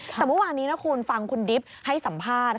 แต่เมื่อวานนี้นะคุณฟังคุณดิบให้สัมภาษณ์